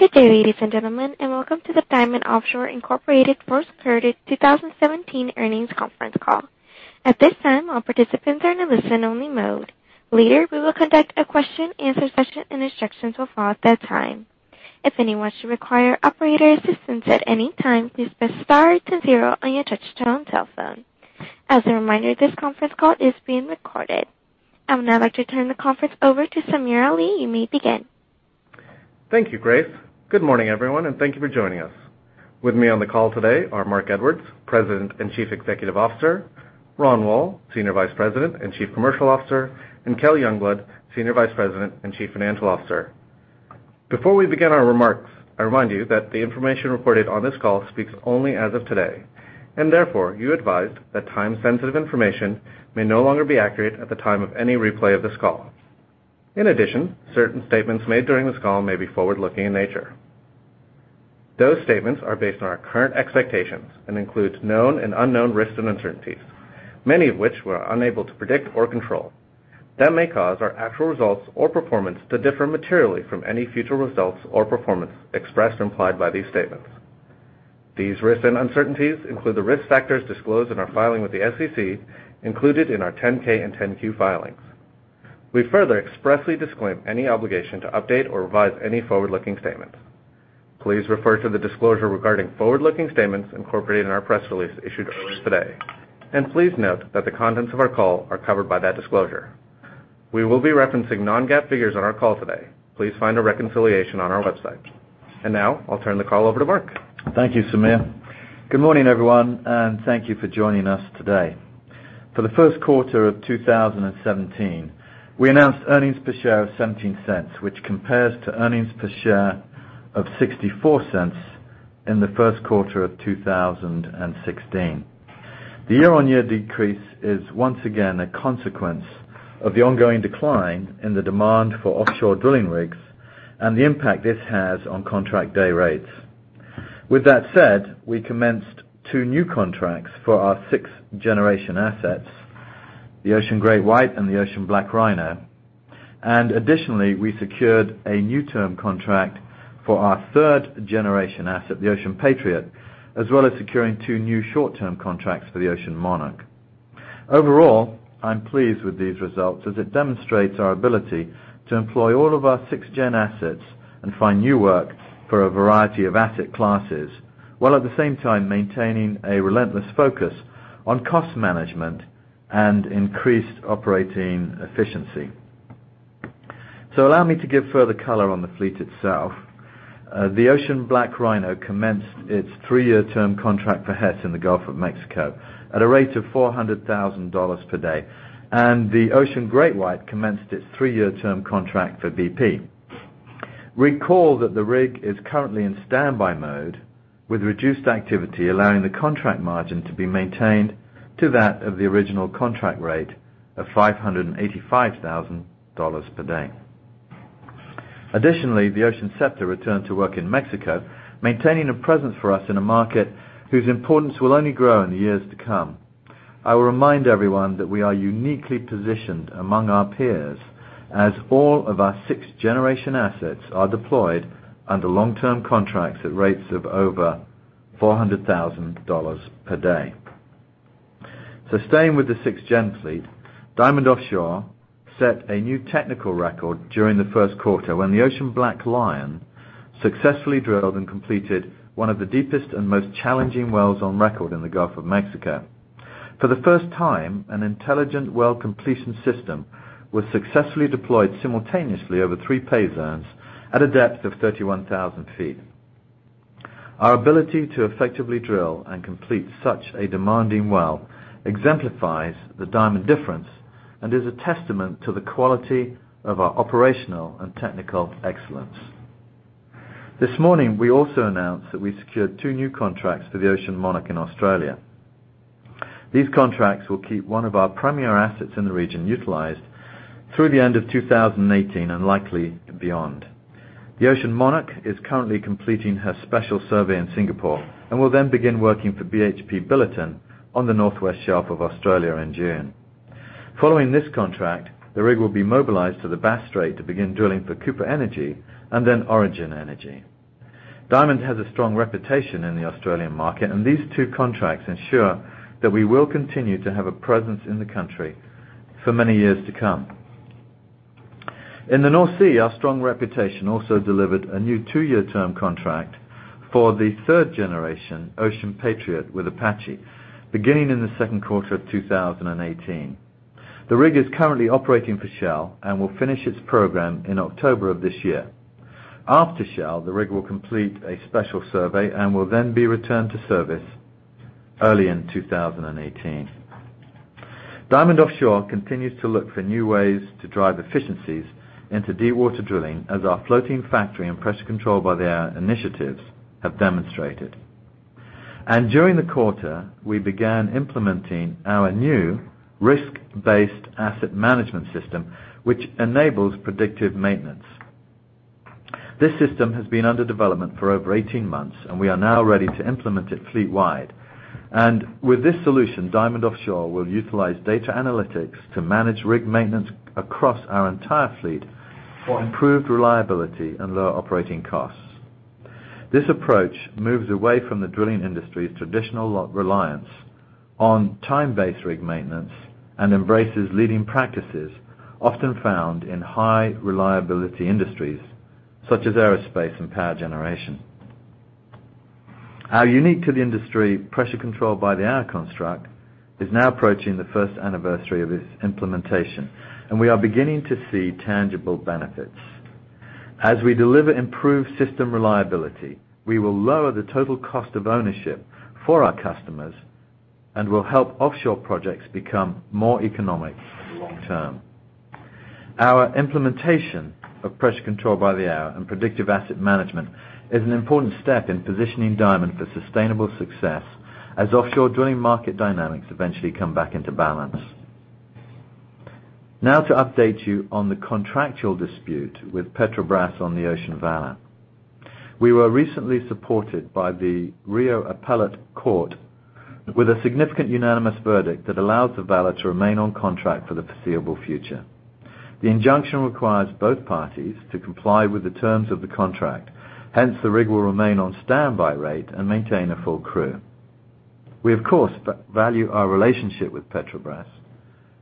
Good day, ladies and gentlemen, and welcome to the Diamond Offshore Incorporated first quarter 2017 earnings conference call. At this time, all participants are in a listen-only mode. Later, we will conduct a question-answer session, and instructions will follow at that time. If anyone should require operator assistance at any time, please press star then zero on your touch-tone telephone. As a reminder, this conference call is being recorded. I would now like to turn the conference over to Samir Ali. You may begin. Thank you, Grace. Good morning, everyone, and thank you for joining us. With me on the call today are Marc Edwards, President and Chief Executive Officer, Ron Woll, Senior Vice President and Chief Commercial Officer, and Kelly Youngblood, Senior Vice President and Chief Financial Officer. Before we begin our remarks, I remind you that the information reported on this call speaks only as of today. Therefore, you're advised that time-sensitive information may no longer be accurate at the time of any replay of this call. In addition, certain statements made during this call may be forward-looking in nature. Those statements are based on our current expectations and includes known and unknown risks and uncertainties, many of which we're unable to predict or control, that may cause our actual results or performance to differ materially from any future results or performance expressed or implied by these statements. These risks and uncertainties include the risk factors disclosed in our filing with the SEC included in our 10-K and 10-Q filings. We further expressly disclaim any obligation to update or revise any forward-looking statement. Please refer to the disclosure regarding forward-looking statements incorporated in our press release issued earlier today, and please note that the contents of our call are covered by that disclosure. We will be referencing non-GAAP figures on our call today. Please find a reconciliation on our website. Now I'll turn the call over to Marc. Thank you, Samir. Good morning, everyone, and thank you for joining us today. For the first quarter of 2017, we announced earnings per share of $0.17, which compares to earnings per share of $0.64 in the first quarter of 2016. The year-on-year decrease is once again a consequence of the ongoing decline in the demand for offshore drilling rigs and the impact this has on contract day rates. With that said, we commenced two new contracts for our sixth-generation assets, the Ocean GreatWhite and the Ocean BlackRhino. Additionally, we secured a new term contract for our third-generation asset, the Ocean Patriot, as well as securing two new short-term contracts for the Ocean Monarch. Overall, I'm pleased with these results as it demonstrates our ability to employ all of our sixth-generation assets and find new work for a variety of asset classes, while at the same time maintaining a relentless focus on cost management and increased operating efficiency. Allow me to give further color on the fleet itself. The Ocean BlackRhino commenced its 3-year term contract for Hess in the Gulf of Mexico at a rate of $400,000 per day, and the Ocean GreatWhite commenced its 3-year term contract for BP. Recall that the rig is currently in standby mode with reduced activity, allowing the contract margin to be maintained to that of the original contract rate of $585,000 per day. Additionally, the Ocean Scepter returned to work in Mexico, maintaining a presence for us in a market whose importance will only grow in the years to come. I will remind everyone that we are uniquely positioned among our peers as all of our sixth-generation assets are deployed under long-term contracts at rates of over $400,000 per day. Staying with the sixth-gen fleet, Diamond Offshore set a new technical record during the first quarter when the Ocean BlackLion successfully drilled and completed one of the deepest and most challenging wells on record in the Gulf of Mexico. For the first time, an intelligent well completion system was successfully deployed simultaneously over 3 pay zones at a depth of 31,000 feet. Our ability to effectively drill and complete such a demanding well exemplifies the Diamond difference and is a testament to the quality of our operational and technical excellence. This morning, we also announced that we secured two new contracts for the Ocean Monarch in Australia. These contracts will keep one of our premier assets in the region utilized through the end of 2018 and likely beyond. The Ocean Monarch is currently completing her special survey in Singapore and will then begin working for BHP Billiton on the North West Shelf of Australia in June. Following this contract, the rig will be mobilized to the Bass Strait to begin drilling for Cooper Energy and then Origin Energy. Diamond has a strong reputation in the Australian market. These two contracts ensure that we will continue to have a presence in the country for many years to come. In the North Sea, our strong reputation also delivered a new 2-year term contract for the third-generation Ocean Patriot with Apache, beginning in the second quarter of 2018. The rig is currently operating for Shell and will finish its program in October of this year. After Shell, the rig will complete a special survey and will then be returned to service early in 2018. Diamond Offshore continues to look for new ways to drive efficiencies into deepwater drilling as our Floating Factory and Pressure Control by the Hour initiatives have demonstrated. During the quarter, we began implementing our new risk-based asset management system, which enables predictive maintenance. This system has been under development for over 18 months, and we are now ready to implement it fleet-wide. With this solution, Diamond Offshore will utilize data analytics to manage rig maintenance across our entire fleet for improved reliability and lower operating costs. This approach moves away from the drilling industry's traditional reliance on time-based rig maintenance and embraces leading practices often found in high-reliability industries such as aerospace and power generation. Our unique-to-the-industry Pressure Control by the Hour construct is now approaching the first anniversary of its implementation, and we are beginning to see tangible benefits. As we deliver improved system reliability, we will lower the total cost of ownership for our customers and will help offshore projects become more economic in the long term. Our implementation of Pressure Control by the Hour and Predictive Asset Management is an important step in positioning Diamond for sustainable success as offshore drilling market dynamics eventually come back into balance. To update you on the contractual dispute with Petrobras on the Ocean Valor. We were recently supported by the Rio Appellate Court with a significant unanimous verdict that allows the Valor to remain on contract for the foreseeable future. The injunction requires both parties to comply with the terms of the contract. Hence, the rig will remain on standby rate and maintain a full crew. We, of course, value our relationship with Petrobras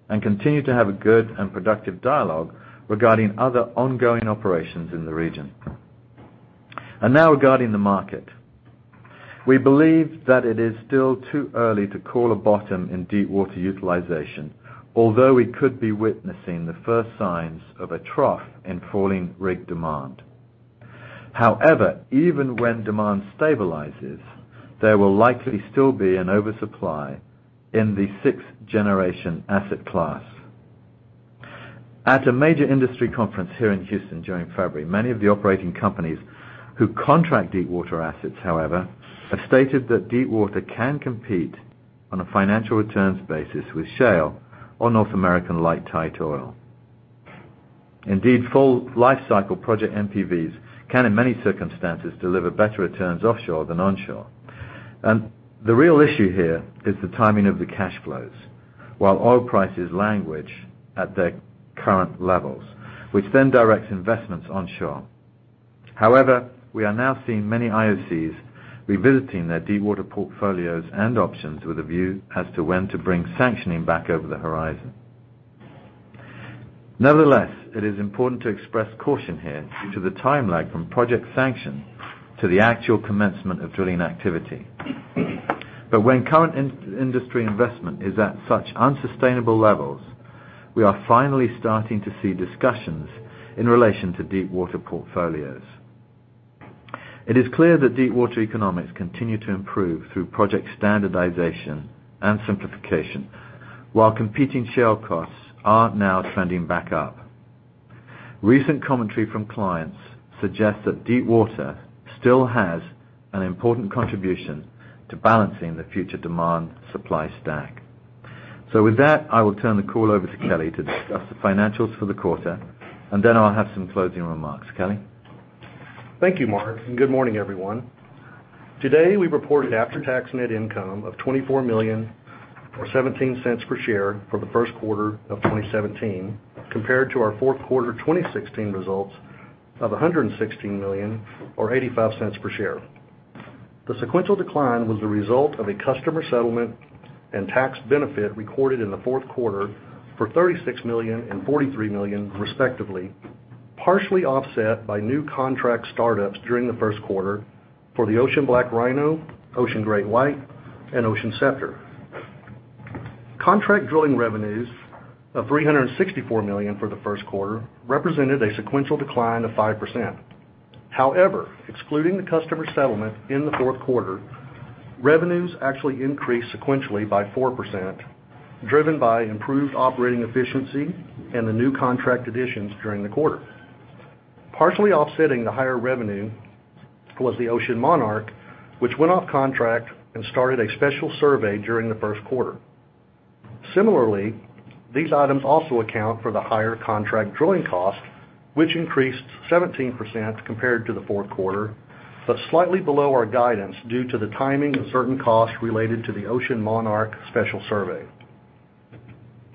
and continue to have a good and productive dialogue regarding other ongoing operations in the region. Now regarding the market. We believe that it is still too early to call a bottom in deepwater utilization, although we could be witnessing the first signs of a trough in falling rig demand. However, even when demand stabilizes, there will likely still be an oversupply in the sixth-generation asset class. At a major industry conference here in Houston during February, many of the operating companies who contract deepwater assets, however, have stated that deepwater can compete on a financial returns basis with shale or North American light tight oil. Indeed, full lifecycle project NPVs can, in many circumstances, deliver better returns offshore than onshore. The real issue here is the timing of the cash flows while oil prices languish at their current levels, which then directs investments onshore. However, we are now seeing many IOCs revisiting their deepwater portfolios and options with a view as to when to bring sanctioning back over the horizon. Nevertheless, it is important to express caution here due to the time lag from project sanction to the actual commencement of drilling activity. When current industry investment is at such unsustainable levels, we are finally starting to see discussions in relation to deepwater portfolios. It is clear that deepwater economics continue to improve through project standardization and simplification while competing shale costs are now trending back up. Recent commentary from clients suggests that deepwater still has an important contribution to balancing the future demand-supply stack. With that, I will turn the call over to Kelly to discuss the financials for the quarter, and then I'll have some closing remarks. Kelly? Thank you, Marc, and good morning, everyone. Today, we reported after-tax net income of $24 million, or $0.17 per share for the first quarter of 2017, compared to our fourth quarter 2016 results of $116 million or $0.85 per share. The sequential decline was the result of a customer settlement and tax benefit recorded in the fourth quarter for $36 million and $43 million, respectively, partially offset by new contract startups during the first quarter for the Ocean BlackRhino, Ocean GreatWhite, and Ocean Scepter. Contract drilling revenues of $364 million for the first quarter represented a sequential decline of 5%. However, excluding the customer settlement in the fourth quarter, revenues actually increased sequentially by 4%, driven by improved operating efficiency and the new contract additions during the quarter. Partially offsetting the higher revenue was the Ocean Monarch, which went off contract and started a special survey during the first quarter. Similarly, these items also account for the higher contract drilling cost, which increased 17% compared to the fourth quarter, but slightly below our guidance due to the timing of certain costs related to the Ocean Monarch special survey.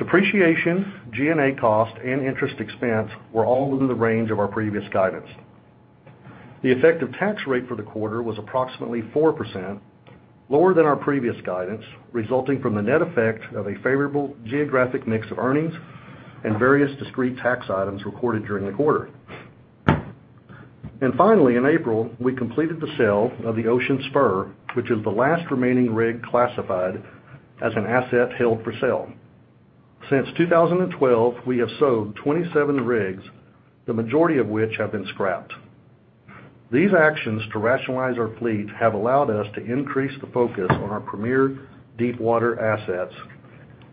Depreciation, G&A costs, and interest expense were all within the range of our previous guidance. The effective tax rate for the quarter was approximately 4%, lower than our previous guidance, resulting from the net effect of a favorable geographic mix of earnings and various discrete tax items recorded during the quarter. Finally, in April, we completed the sale of the Ocean Spur, which is the last remaining rig classified as an asset held for sale. Since 2012, we have sold 27 rigs, the majority of which have been scrapped. These actions to rationalize our fleet have allowed us to increase the focus on our premier deepwater assets.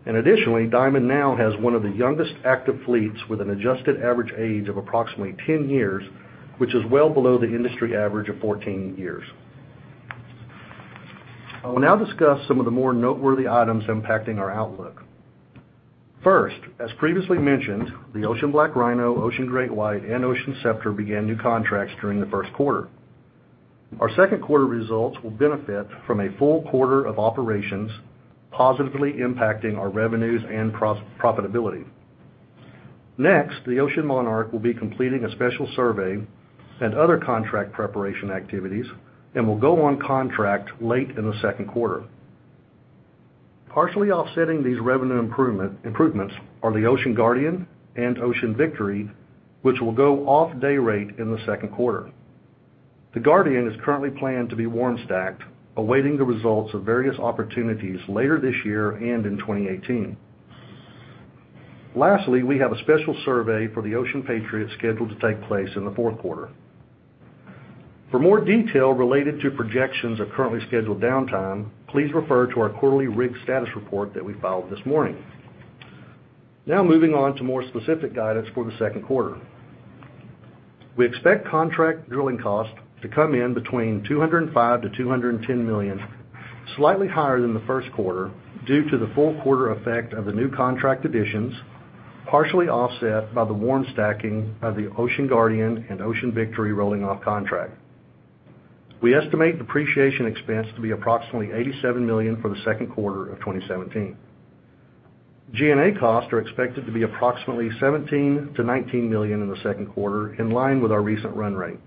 Additionally, Diamond now has one of the youngest active fleets with an adjusted average age of approximately 10 years, which is well below the industry average of 14 years. I will now discuss some of the more noteworthy items impacting our outlook. First, as previously mentioned, the Ocean BlackRhino, Ocean GreatWhite, and Ocean Scepter began new contracts during the first quarter. Our second quarter results will benefit from a full quarter of operations, positively impacting our revenues and profitability. Next, the Ocean Monarch will be completing a special survey and other contract preparation activities and will go on contract late in the second quarter. Partially offsetting these revenue improvements are the Ocean Guardian and Ocean Victory, which will go off day rate in the second quarter. The Guardian is currently planned to be warm stacked, awaiting the results of various opportunities later this year and in 2018. Lastly, we have a special survey for the Ocean Patriot scheduled to take place in the fourth quarter. For more detail related to projections of currently scheduled downtime, please refer to our quarterly rig status report that we filed this morning. Now moving on to more specific guidance for the second quarter. We expect contract drilling cost to come in between $205 million-$210 million, slightly higher than the first quarter due to the full quarter effect of the new contract additions, partially offset by the warm stacking of the Guardian and Ocean Victory rolling off contract. We estimate depreciation expense to be approximately $87 million for the second quarter of 2017. G&A costs are expected to be approximately $17 million-$19 million in the second quarter, in line with our recent run rate.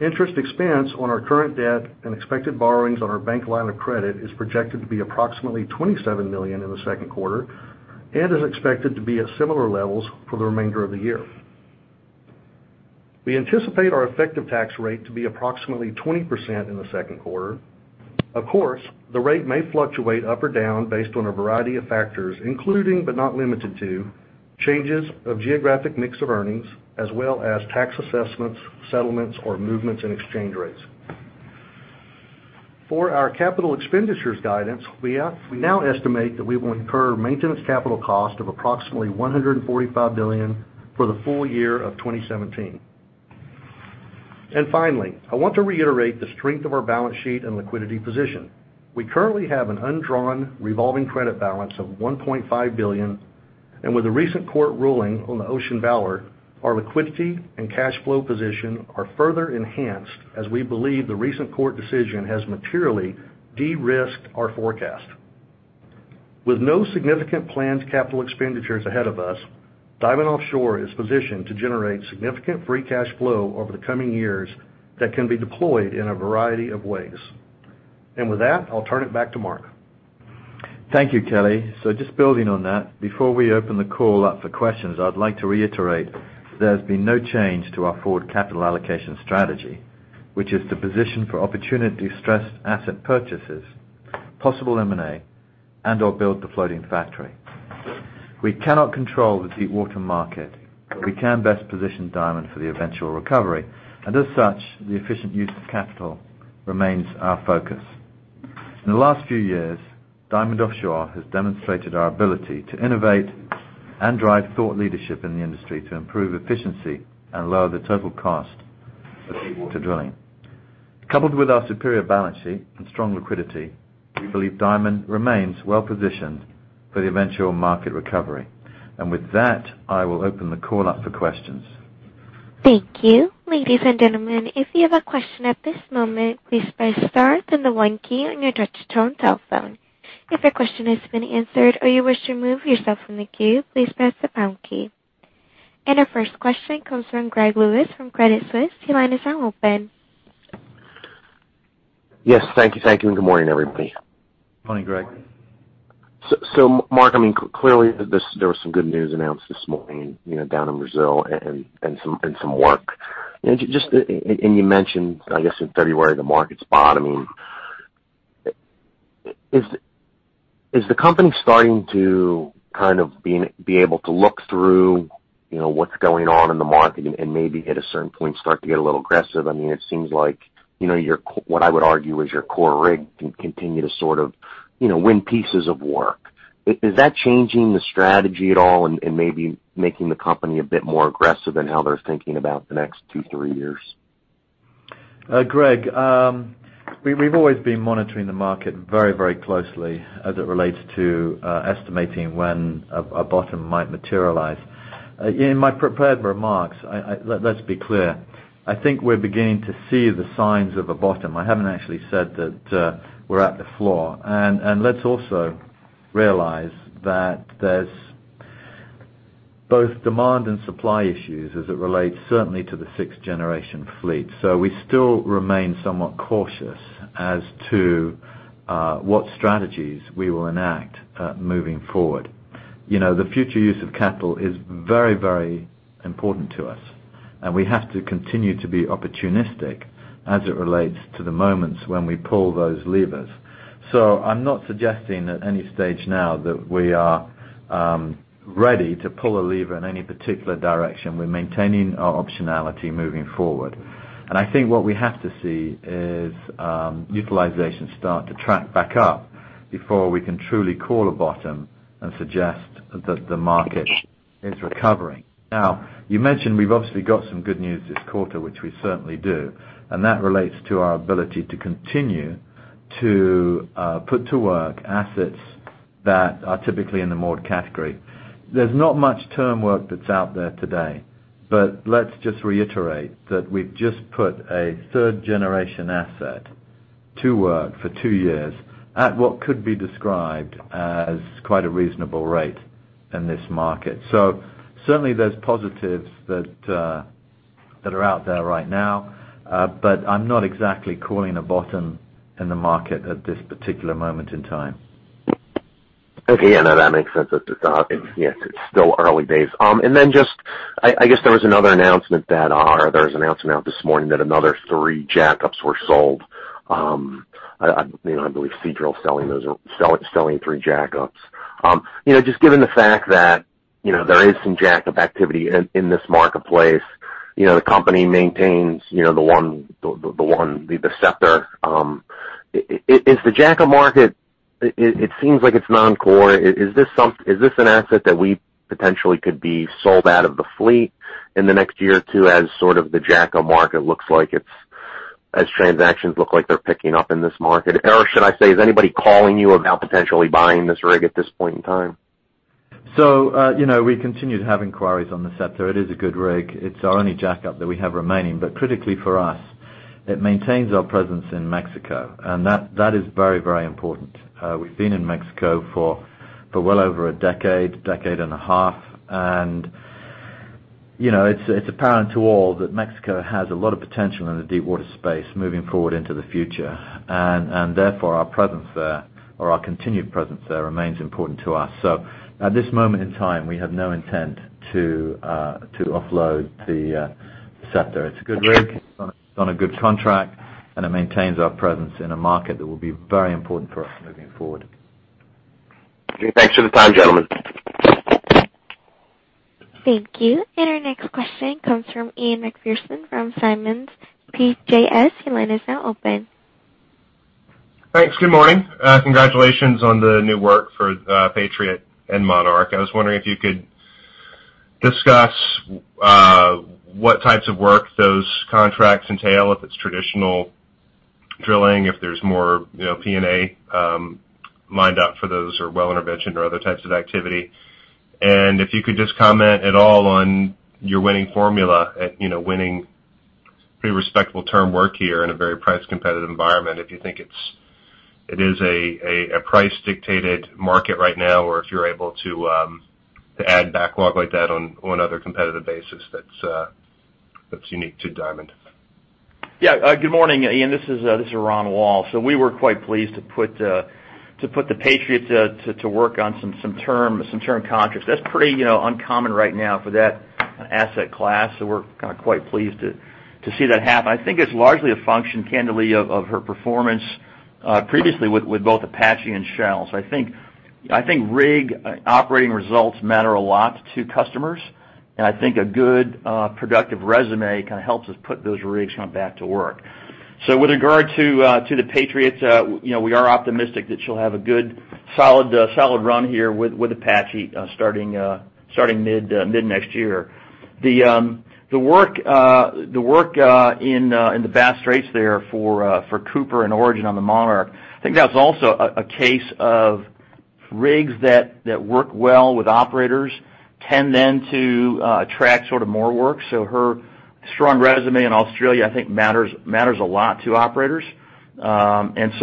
Interest expense on our current debt and expected borrowings on our bank line of credit is projected to be approximately $27 million in the second quarter and is expected to be at similar levels for the remainder of the year. We anticipate our effective tax rate to be approximately 20% in the second quarter. Of course, the rate may fluctuate up or down based on a variety of factors, including, but not limited to, changes of geographic mix of earnings as well as tax assessments, settlements, or movements in exchange rates. For our capital expenditures guidance, we now estimate that we will incur maintenance capital cost of approximately $145 million for the full year of 2017. Finally, I want to reiterate the strength of our balance sheet and liquidity position. We currently have an undrawn revolving credit balance of $1.5 billion, and with the recent court ruling on the Ocean Valor, our liquidity and cash flow position are further enhanced as we believe the recent court decision has materially de-risked our forecast. With no significant planned capital expenditures ahead of us, Diamond Offshore is positioned to generate significant free cash flow over the coming years that can be deployed in a variety of ways. With that, I'll turn it back to Marc. Thank you, Kelly. Just building on that, before we open the call up for questions, I'd like to reiterate there's been no change to our forward capital allocation strategy, which is to position for opportunity-stressed asset purchases, possible M&A, and/or build the Floating Factory. We cannot control the deepwater market, but we can best position Diamond for the eventual recovery, and as such, the efficient use of capital remains our focus. In the last few years, Diamond Offshore has demonstrated our ability to innovate and drive thought leadership in the industry to improve efficiency and lower the total cost of deepwater drilling. Coupled with our superior balance sheet and strong liquidity, we believe Diamond remains well-positioned for the eventual market recovery. With that, I will open the call up for questions. Thank you. Ladies and gentlemen, if you have a question at this moment, please press star then the one key on your touch-tone cell phone. If your question has been answered or you wish to remove yourself from the queue, please press the pound key. Our first question comes from Gregory Lewis from Credit Suisse. Your line is now open. Yes, thank you, thank you, and good morning, everybody. Morning, Greg. Marc, clearly there was some good news announced this morning down in Brazil and some work. You mentioned, I guess in February, the market's bottoming. Is the company starting to be able to look through what's going on in the market and maybe at a certain point start to get a little aggressive? It seems like what I would argue is your core rig can continue to sort of win pieces of work. Is that changing the strategy at all and maybe making the company a bit more aggressive in how they're thinking about the next two, three years? Greg, we've always been monitoring the market very closely as it relates to estimating when a bottom might materialize. In my prepared remarks, let's be clear, I think we're beginning to see the signs of a bottom. I haven't actually said that we're at the floor. Let's also realize that there's both demand and supply issues as it relates certainly to the sixth-generation fleet. We still remain somewhat cautious as to what strategies we will enact moving forward. The future use of capital is very important to us, and we have to continue to be opportunistic as it relates to the moments when we pull those levers. I'm not suggesting at any stage now that we are ready to pull a lever in any particular direction. We're maintaining our optionality moving forward. I think what we have to see is utilization start to track back up before we can truly call a bottom and suggest that the market It's recovering. You mentioned we've obviously got some good news this quarter, which we certainly do, and that relates to our ability to continue to put to work assets that are typically in the moored category. There's not much term work that's out there today, but let's just reiterate that we've just put a third-generation asset to work for two years at what could be described as quite a reasonable rate in this market. Certainly, there's positives that are out there right now. I'm not exactly calling a bottom in the market at this particular moment in time. Okay. Yeah, no, that makes sense. It's still early days. I guess there was an announcement out this morning that another three jackups were sold. I believe Seadrill's selling three jackups. Just given the fact that there is some jackup activity in this marketplace, the company maintains the one, the Scepter. Is the jackup market, it seems like it's non-core. Is this an asset that we potentially could be sold out of the fleet in the next year or two as sort of the jackup market looks like as transactions look like they're picking up in this market? Should I say, is anybody calling you about potentially buying this rig at this point in time? We continue to have inquiries on the Scepter. It is a good rig. It's our only jackup that we have remaining. Critically for us, it maintains our presence in Mexico, and that is very, very important. We've been in Mexico for well over a decade and a half. It's apparent to all that Mexico has a lot of potential in the deepwater space moving forward into the future. Therefore, our presence there, or our continued presence there remains important to us. At this moment in time, we have no intent to offload the Scepter. It's a good rig. It's on a good contract, and it maintains our presence in a market that will be very important for us moving forward. Okay. Thanks for the time, gentlemen. Thank you. Our next question comes from Ian Macpherson from Simmons PJS. Your line is now open. Thanks. Good morning. Congratulations on the new work for Patriot and Monarch. I was wondering if you could discuss what types of work those contracts entail, if it's traditional drilling, if there's more P&A lined up for those, or well intervention or other types of activity. If you could just comment at all on your winning formula at winning pretty respectable term work here in a very price-competitive environment, if you think it is a price-dictated market right now, or if you're able to add backlog like that on other competitive basis that's unique to Diamond. Yeah. Good morning, Ian Macpherson. This is Ron Woll. We were quite pleased to put the Patriot to work on some term contracts. That's pretty uncommon right now for that asset class, we're kind of quite pleased to see that happen. I think it's largely a function, candidly, of her performance previously with both Apache and Shell. I think rig operating results matter a lot to customers, and I think a good, productive resume kind of helps us put those rigs back to work. With regard to The Patriot, we are optimistic that she'll have a good, solid run here with Apache starting mid next year. The work in the Bass Strait there for Cooper and Origin on the Monarch, I think that's also a case of rigs that work well with operators tend then to attract sort of more work. Her strong resume in Australia, I think matters a lot to operators. It's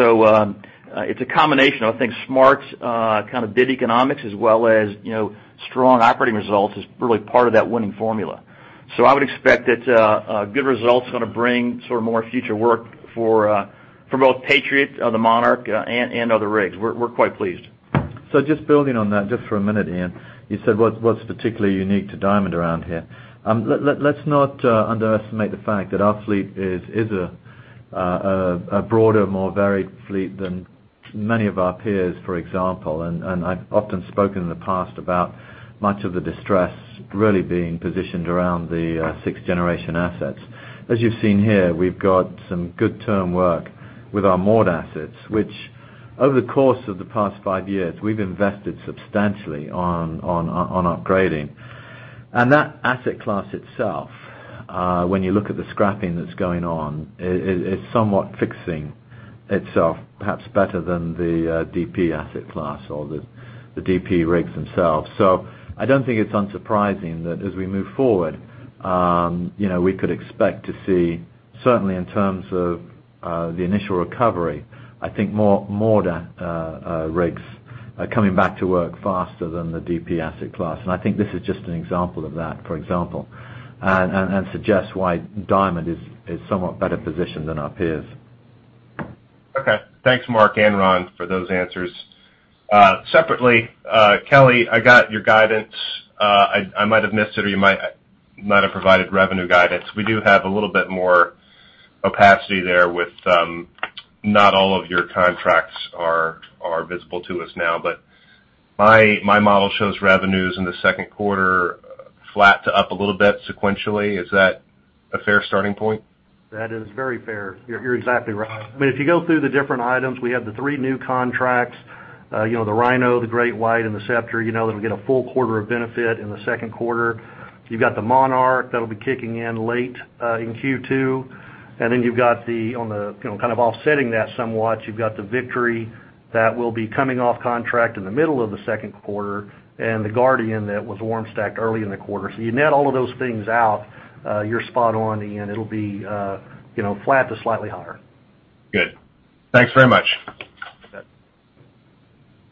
a combination of, I think, smart kind of bid economics as well as strong operating results is really part of that winning formula. I would expect that good results are going to bring sort of more future work for both Patriot, the Monarch, and other rigs. We're quite pleased. Just building on that just for a minute, Ian. You said what's particularly unique to Diamond around here. Let's not underestimate the fact that our fleet is a broader, more varied fleet than many of our peers, for example. I've often spoken in the past about much of the distress really being positioned around the 6th-generation assets. As you've seen here, we've got some good term work with our moored assets, which over the course of the past five years, we've invested substantially on upgrading. That asset class itself, when you look at the scrapping that's going on, is somewhat fixing itself, perhaps better than the DP asset class or the DP rigs themselves. I don't think it's unsurprising that as we move forward, we could expect to see, certainly in terms of the initial recovery, I think more moored rigs coming back to work faster than the DP asset class. I think this is just an example of that, for example, and suggests why Diamond is somewhat better positioned than our peers. Okay. Thanks, Marc and Ron, for those answers. Separately, Kelly, I got your guidance. I might have missed it, or you might not have provided revenue guidance. We do have a little bit more opacity there with not all of your contracts are visible to us now. My model shows revenues in the second quarter flat to up a little bit sequentially. Is that a fair starting point? That is very fair. You're exactly right. If you go through the different items, we have the three new contracts, the Rhino, the GreatWhite, and the Scepter, that'll get a full quarter of benefit in the second quarter. You've got the Monarch that'll be kicking in late in Q2, offsetting that somewhat, you've got the Victory that will be coming off contract in the middle of the second quarter, and the Guardian that was warm stacked early in the quarter. You net all of those things out, you're spot on, Ian. It'll be flat to slightly higher. Good. Thanks very much. You bet. Thank you.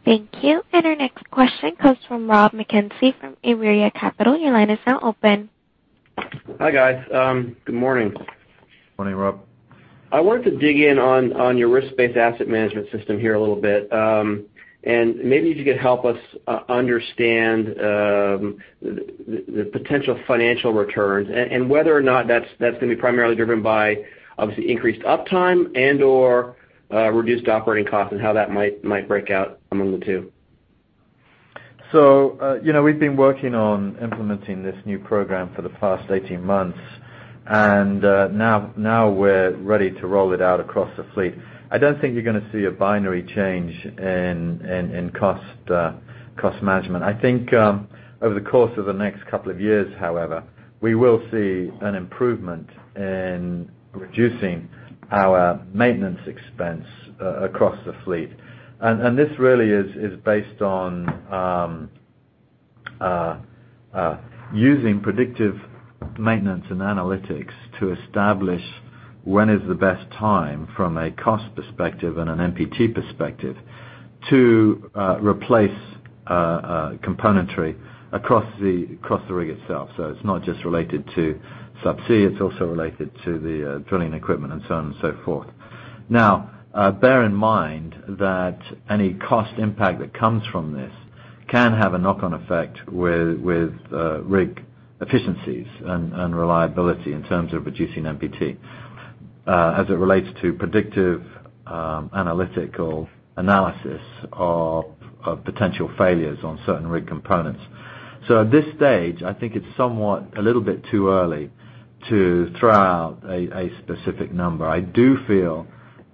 Our next question comes from Rob McKenzie from Aria Capital. Your line is now open. Hi, guys. Good morning. Morning, Rob. I wanted to dig in on your risk-based asset management system here a little bit. Maybe if you could help us understand the potential financial returns and whether or not that's going to be primarily driven by, obviously, increased uptime and/or reduced operating costs, and how that might break out among the two. We've been working on implementing this new program for the past 18 months. Now we're ready to roll it out across the fleet. I don't think you're going to see a binary change in cost management. I think over the course of the next couple of years, however, we will see an improvement in reducing our maintenance expense across the fleet. This really is based on using predictive maintenance and analytics to establish when is the best time from a cost perspective and an NPT perspective to replace componentry across the rig itself. It's not just related to subsea, it's also related to the drilling equipment and so on and so forth. Now, bear in mind that any cost impact that comes from this can have a knock-on effect with rig efficiencies and reliability in terms of reducing NPT as it relates to predictive analytical analysis of potential failures on certain rig components. At this stage, I think it's somewhat a little bit too early to throw out a specific number. I do feel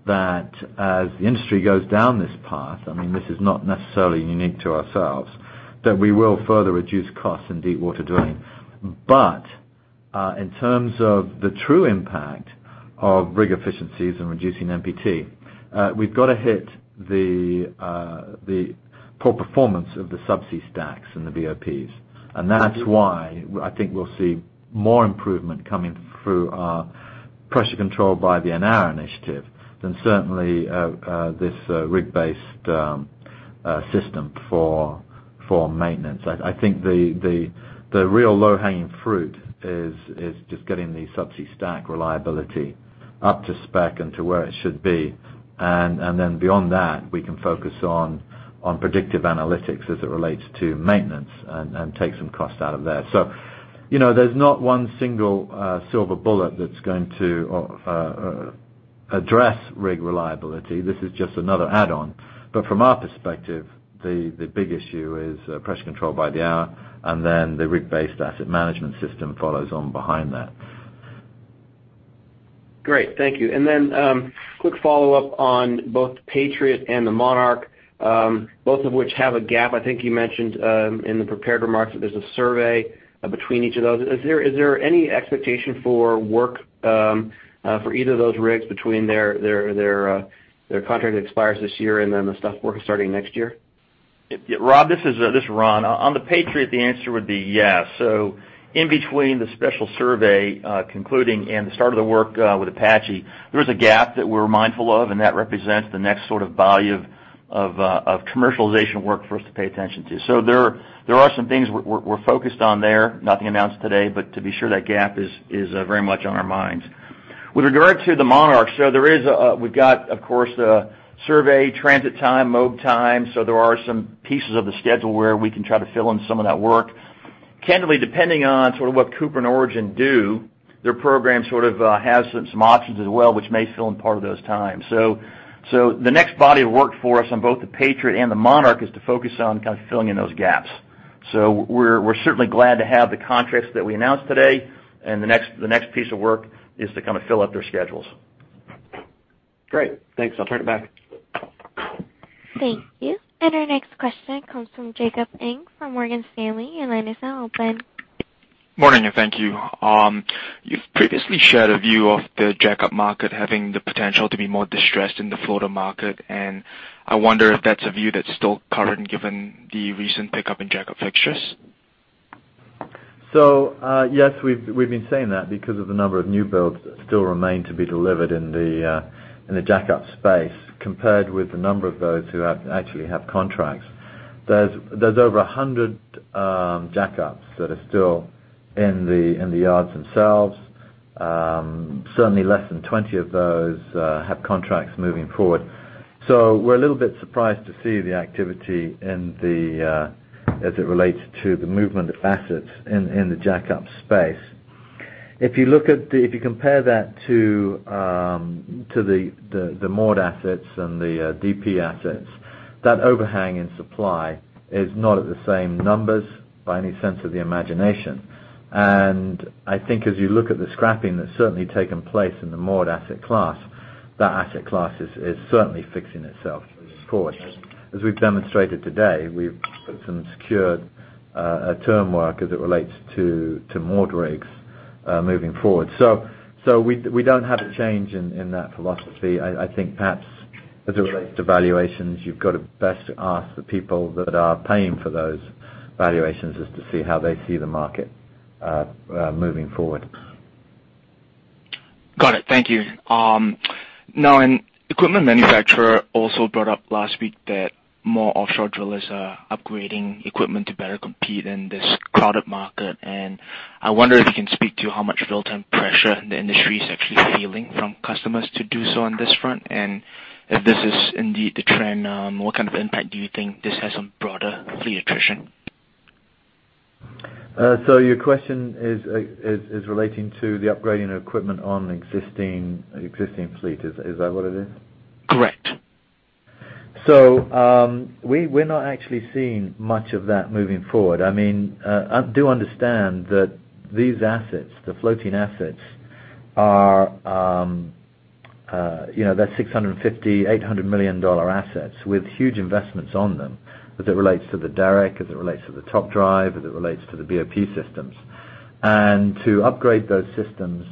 that as the industry goes down this path, this is not necessarily unique to ourselves, that we will further reduce costs in deepwater drilling. In terms of the true impact of rig efficiencies and reducing NPT, we've got to hit the poor performance of the subsea stacks and the BOPs. That's why I think we'll see more improvement coming through our Pressure Control by the Hour initiative than certainly this rig-based system for maintenance. I think the real low-hanging fruit is just getting the subsea stack reliability up to spec and to where it should be. Beyond that, we can focus on predictive analytics as it relates to maintenance and take some cost out of there. There's not one single silver bullet that's going to address rig reliability. This is just another add-on. From our perspective, the big issue is Pressure Control by the Hour, and then the risk-based asset management system follows on behind that. Great. Thank you. Quick follow-up on both Patriot and the Monarch, both of which have a gap. I think you mentioned in the prepared remarks that there's a survey between each of those. Is there any expectation for work for either of those rigs between their contract expires this year and then the stuff work starting next year? Rob, this is Ron. On the Patriot, the answer would be yes. In between the special survey concluding and the start of the work with Apache, there is a gap that we're mindful of, and that represents the next volume of commercialization work for us to pay attention to. There are some things we're focused on there. Nothing announced today, but to be sure that gap is very much on our minds. With regard to the Monarch, we've got, of course, the survey transit time, mob time. There are some pieces of the schedule where we can try to fill in some of that work. Candidly, depending on sort of what Cooper and Origin do, their program sort of has some options as well, which may fill in part of those times. The next body of work for us on both the Patriot and the Monarch is to focus on kind of filling in those gaps. We're certainly glad to have the contracts that we announced today, and the next piece of work is to fill up their schedules. Great. Thanks. I'll turn it back. Thank you. Our next question comes from Jacob Ng from Morgan Stanley. Your line is now open. Morning, and thank you. You've previously shared a view of the jackup market having the potential to be more distressed in the floater market, and I wonder if that's a view that's still current given the recent pickup in jackup fixtures. Yes, we've been saying that because of the number of new builds that still remain to be delivered in the jackup space compared with the number of those who actually have contracts. There's over 100 jackups that are still in the yards themselves. Certainly less than 20 of those have contracts moving forward. We're a little bit surprised to see the activity as it relates to the movement of assets in the jackup space. If you compare that to the moored assets and the DP assets, that overhang in supply is not at the same numbers by any sense of the imagination. I think as you look at the scrapping that's certainly taken place in the moored asset class, that asset class is certainly fixing itself. Of course, as we've demonstrated today, we've put some secured term work as it relates to moored rigs moving forward. We don't have a change in that philosophy. I think perhaps as it relates to valuations, you've got to best ask the people that are paying for those valuations as to see how they see the market moving forward. Got it. Thank you. Now, an equipment manufacturer also brought up last week that more offshore drillers are upgrading equipment to better compete in this crowded market. I wonder if you can speak to how much real-time pressure the industry is actually feeling from customers to do so on this front, and if this is indeed the trend, what kind of impact do you think this has on broader fleet attrition? Your question is relating to the upgrading of equipment on existing fleet. Is that what it is? Correct. We're not actually seeing much of that moving forward. I do understand that these assets, the floating assets, they're $650 million, $800 million assets with huge investments on them as it relates to the derrick, as it relates to the top drive, as it relates to the BOP systems. To upgrade those systems,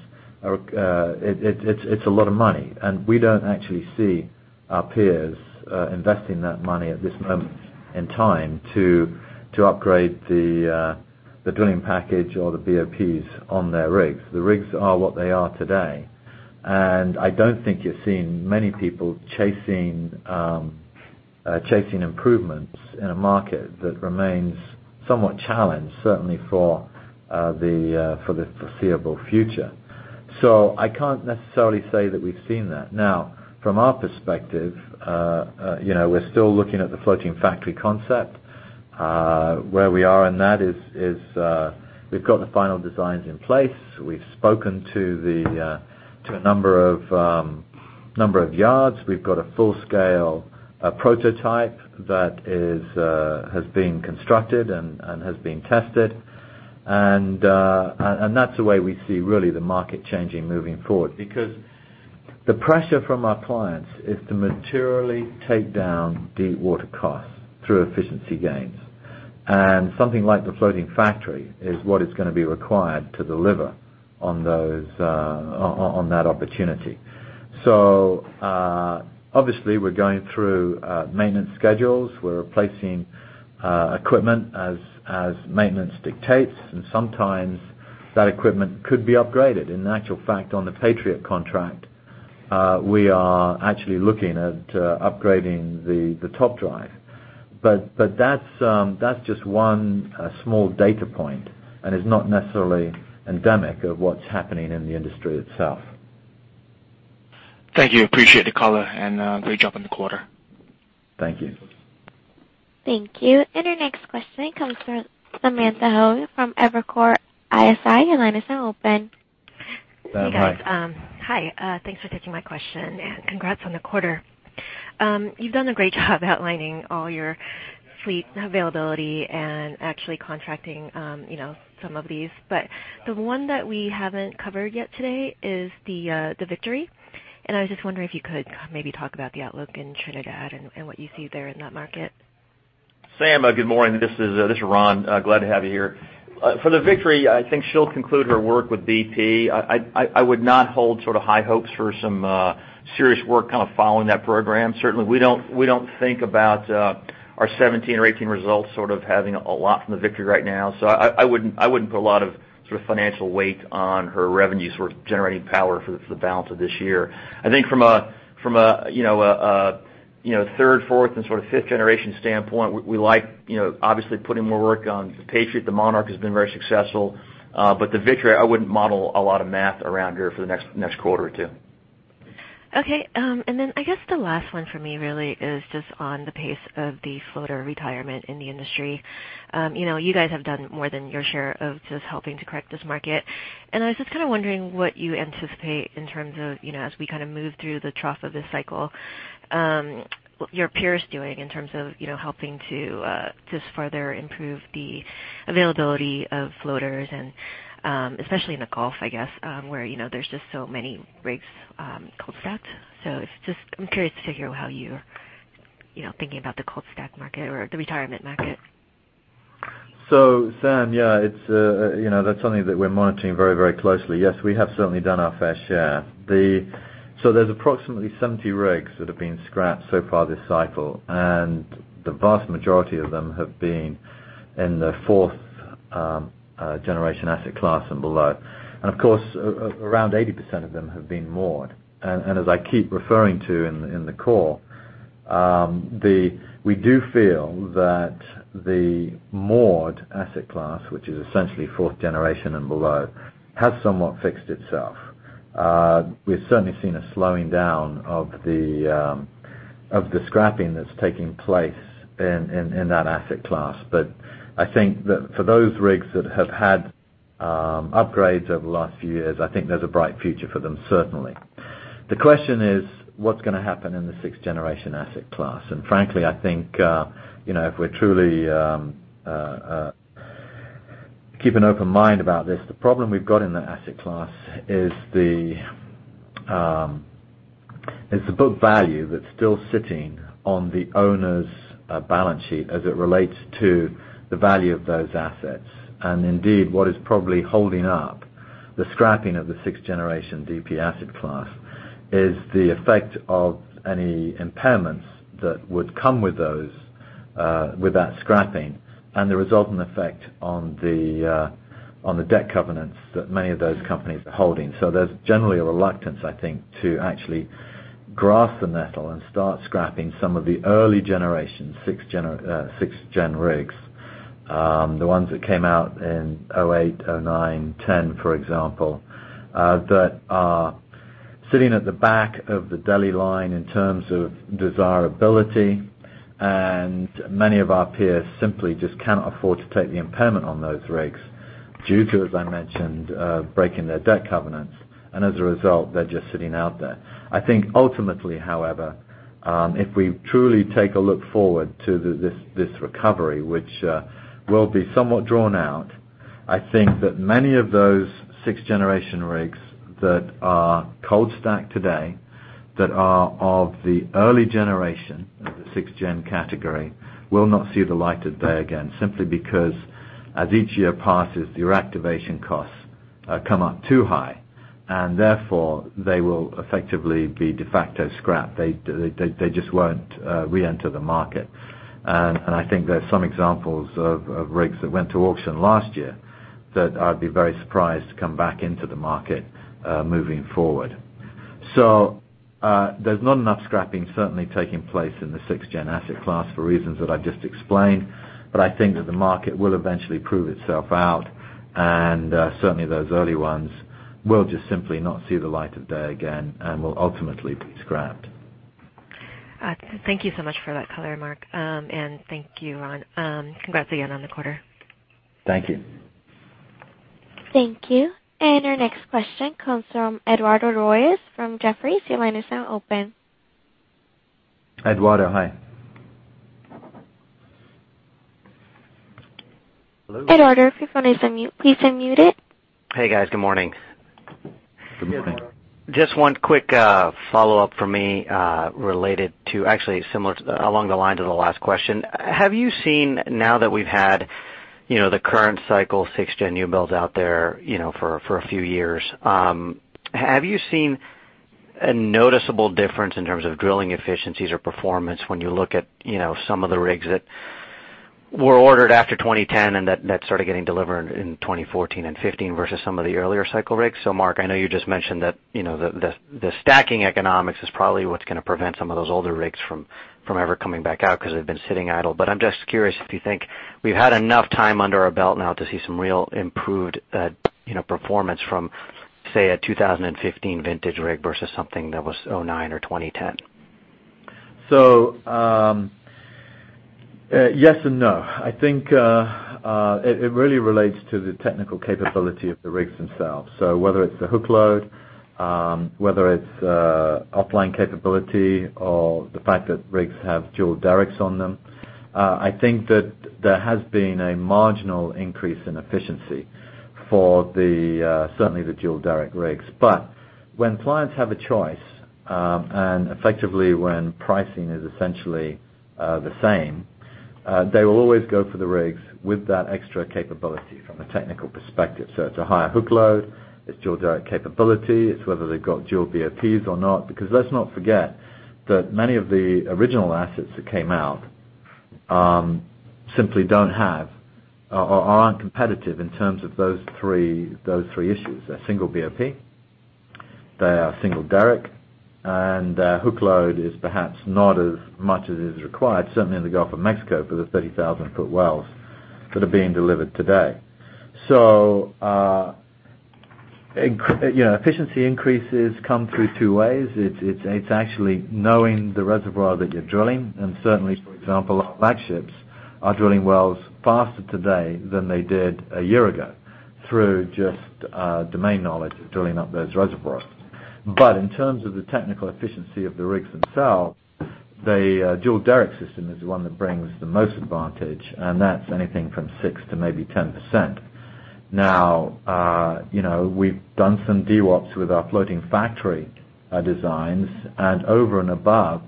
it's a lot of money. We don't actually see our peers investing that money at this moment in time to upgrade the drilling package or the BOPs on their rigs. The rigs are what they are today, and I don't think you're seeing many people chasing improvements in a market that remains somewhat challenged, certainly for the foreseeable future. I can't necessarily say that we've seen that. Now, from our perspective, we're still looking at the Floating Factory concept. Where we are in that is we've got the final designs in place. We've spoken to a number of yards. We've got a full-scale prototype that has been constructed and has been tested. That's the way we see really the market changing moving forward. Because the pressure from our clients is to materially take down deep water costs through efficiency gains. Something like the Floating Factory is what is going to be required to deliver on that opportunity. Obviously, we're going through maintenance schedules. We're replacing equipment as maintenance dictates, and sometimes that equipment could be upgraded. In actual fact, on the Patriot contract, we are actually looking at upgrading the top drive. That's just one small data point and is not necessarily endemic of what's happening in the industry itself. Thank you. Appreciate the color and great job on the quarter. Thank you. Thank you. Your next question comes from Samantha Ho from Evercore ISI. Your line is now open. Sam, hi. Hey, guys. Hi. Thanks for taking my question and congrats on the quarter. You've done a great job outlining all your fleet availability and actually contracting some of these. The one that we haven't covered yet today is the Victory. I was just wondering if you could maybe talk about the outlook in Trinidad and what you see there in that market. Sam, good morning. This is Ron. Glad to have you here. For the Victory, I think she'll conclude her work with BP. I would not hold high hopes for some serious work following that program. Certainly, we don't think about our 2017 or 2018 results having a lot from the Victory right now. I wouldn't put a lot of financial weight on her revenue generating power for the balance of this year. I think from a third, fourth, and sort of 5th-generation standpoint, we like obviously putting more work on the Patriot. The Monarch has been very successful. The Victory, I wouldn't model a lot of math around her for the next quarter or two. Okay. I guess the last one for me really is just on the pace of the floater retirement in the industry. You guys have done more than your share of just helping to correct this market. I was just kind of wondering what you anticipate in terms of, as we move through the trough of this cycle, your peers doing in terms of helping to just further improve the availability of floaters and, especially in the Gulf, I guess, where there's just so many rigs cold stacked. I'm curious to figure how you're thinking about the cold stacked market or the retirement market. Sam, yeah, that's something that we're monitoring very closely. Yes, we have certainly done our fair share. There's approximately 70 rigs that have been scrapped so far this cycle, and the vast majority of them have been in the fourth generation asset class and below. Of course, around 80% of them have been moored. As I keep referring to in the call, we do feel that the moored asset class, which is essentially fourth generation and below, has somewhat fixed itself. We've certainly seen a slowing down of the scrapping that's taking place in that asset class. I think that for those rigs that have had upgrades over the last few years, I think there's a bright future for them, certainly. The question is, what's going to happen in the sixth-generation asset class? Frankly, I think, if we truly keep an open mind about this, the problem we've got in the asset class is the book value that's still sitting on the owner's balance sheet as it relates to the value of those assets. Indeed, what is probably holding up the scrapping of the sixth-generation DP asset class is the effect of any impairments that would come with that scrapping and the resultant effect on the debt covenants that many of those companies are holding. There's generally a reluctance, I think, to actually grasp the nettle and start scrapping some of the early generation, sixth-gen rigs. The ones that came out in 2008, 2009, 2010, for example, that are sitting at the back of the deli line in terms of desirability. Many of our peers simply just cannot afford to take the impairment on those rigs due to, as I mentioned, breaking their debt covenants. As a result, they're just sitting out there. I think ultimately, however, if we truly take a look forward to this recovery, which will be somewhat drawn out, I think that many of those sixth-generation rigs that are cold stacked today, that are of the early generation of the sixth-gen category, will not see the light of day again, simply because as each year passes, your activation costs come up too high, and therefore they will effectively be de facto scrap. They just won't re-enter the market. I think there's some examples of rigs that went to auction last year that I'd be very surprised to come back into the market, moving forward. There's not enough scrapping, certainly taking place in the sixth-gen asset class for reasons that I've just explained. I think that the market will eventually prove itself out, and, certainly those early ones will just simply not see the light of day again and will ultimately be scrapped. Thank you so much for that color, Marc, and thank you, Ron. Congrats again on the quarter. Thank you. Thank you. Our next question comes from Eduardo Royes from Jefferies. Your line is now open. Eduardo, hi. Hello? Eduardo, if your phone is on mute, please unmute it. Hey, guys. Good morning. Good morning. Just one quick follow-up from me, actually similar to, along the lines of the last question. Have you seen now that we've had the current cycle 6th-gen new builds out there for a few years, have you seen a noticeable difference in terms of drilling efficiencies or performance when you look at some of the rigs that were ordered after 2010 and that started getting delivered in 2014 and 2015 versus some of the earlier cycle rigs? Marc, I know you just mentioned that the stacking economics is probably what's going to prevent some of those older rigs from ever coming back out because they've been sitting idle. I'm just curious if you think we've had enough time under our belt now to see some real improved performance from, say, a 2015 vintage rig versus something that was 2009 or 2010. Yes and no. I think it really relates to the technical capability of the rigs themselves. Whether it's the hook load, whether it's offline capability or the fact that rigs have dual derricks on them. I think that there has been a marginal increase in efficiency for certainly the dual derrick rigs. When clients have a choice, and effectively, when pricing is essentially the same, they will always go for the rigs with that extra capability from a technical perspective. It's a higher hook load, it's dual derrick capability, it's whether they've got dual BOPs or not. Because let's not forget that many of the original assets that came out, simply don't have or aren't competitive in terms of those three issues. They're single BOP, they are single derrick, and their hook load is perhaps not as much as is required, certainly in the Gulf of Mexico for the 30,000-foot wells that are being delivered today. Efficiency increases come through two ways. It's actually knowing the reservoir that you're drilling. Certainly, for example, our flagships are drilling wells faster today than they did a year ago through just domain knowledge of drilling up those reservoirs. In terms of the technical efficiency of the rigs themselves, the dual derrick system is the one that brings the most advantage, and that's anything from 6%-10%. Now, we've done some DWOP with our Floating Factory designs, and over and above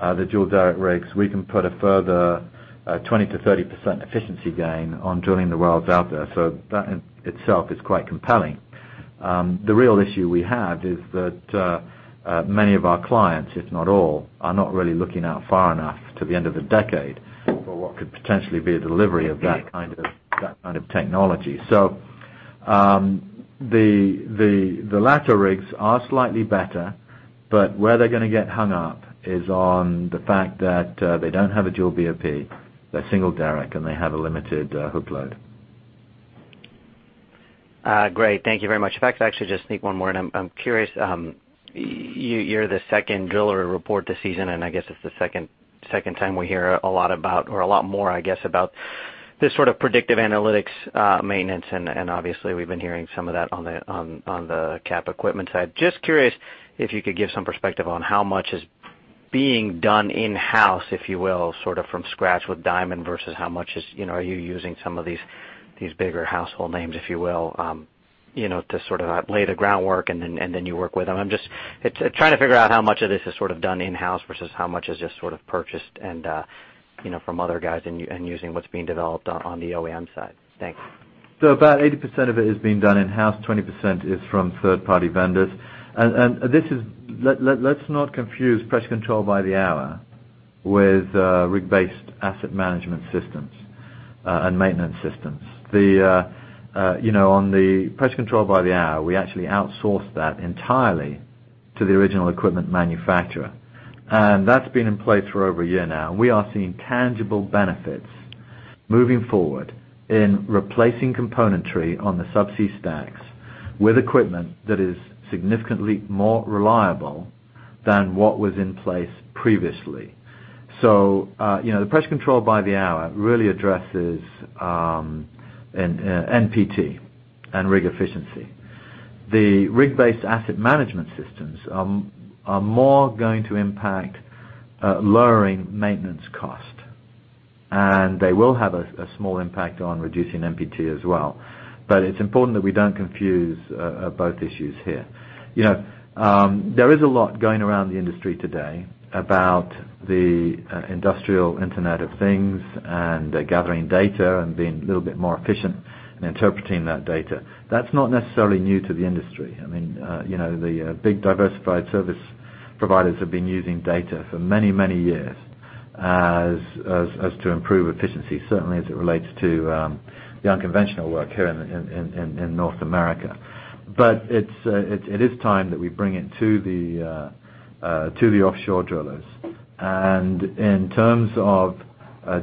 the dual derrick rigs, we can put a further 20%-30% efficiency gain on drilling the wells out there. That in itself is quite compelling. The real issue we have is that many of our clients, if not all, are not really looking out far enough to the end of the decade for what could potentially be a delivery of that kind of technology. The latter rigs are slightly better, but where they're going to get hung up is on the fact that they don't have a dual BOP, they're single derrick, and they have a limited hook load. Great. Thank you very much. If I could actually just sneak one more in. I'm curious, you're the second driller to report this season, and I guess it's the second time we hear a lot about, or a lot more, I guess, about this sort of predictive analytics maintenance. Obviously, we've been hearing some of that on the cap equipment side. Just curious if you could give some perspective on how much is being done in-house, if you will, sort of from scratch with Diamond, versus how much is, are you using some of these bigger household names, if you will, to sort of lay the groundwork and then you work with them. I'm just trying to figure out how much of this is sort of done in-house versus how much is just sort of purchased and from other guys and using what's being developed on the OEM side. Thanks. About 80% of it is being done in-house, 20% is from third-party vendors. Let's not confuse Pressure Control by the Hour with risk-based asset management systems and maintenance systems. On the Pressure Control by the Hour, we actually outsource that entirely to the original equipment manufacturer. That's been in place for over a year now. We are seeing tangible benefits moving forward in replacing componentry on the subsea stacks with equipment that is significantly more reliable than what was in place previously. The Pressure Control by the Hour really addresses NPT and rig efficiency. The risk-based asset management systems are more going to impact lowering maintenance cost. They will have a small impact on reducing NPT as well. It's important that we don't confuse both issues here. There is a lot going around the industry today about the industrial Internet of Things and gathering data and being a little bit more efficient in interpreting that data. That's not necessarily new to the industry. I mean, the big diversified service providers have been using data for many, many years as to improve efficiency, certainly as it relates to the unconventional work here in North America. It is time that we bring it to the offshore drillers. In terms of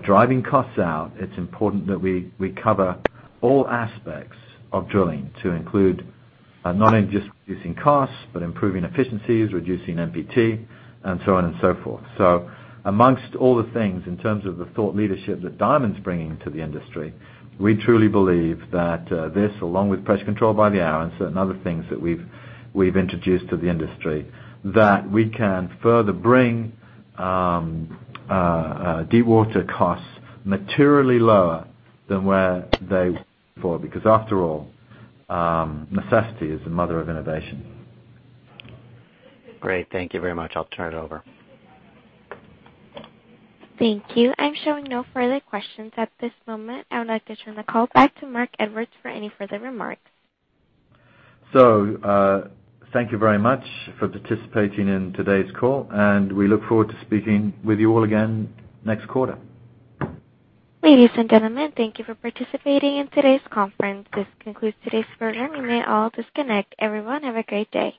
driving costs out, it's important that we cover all aspects of drilling to include not only just reducing costs, but improving efficiencies, reducing NPT, and so on and so forth. Amongst all the things, in terms of the thought leadership that Diamond's bringing to the industry, we truly believe that this, along with Pressure Control by the Hour and certain other things that we've introduced to the industry, that we can further bring deep water costs materially lower than where they were before, because after all, necessity is the mother of innovation. Great. Thank you very much. I'll turn it over. Thank you. I'm showing no further questions at this moment. I would like to turn the call back to Marc Edwards for any further remarks. Thank you very much for participating in today's call, and we look forward to speaking with you all again next quarter. Ladies and gentlemen, thank you for participating in today's conference. This concludes today's program. You may all disconnect. Everyone, have a great day.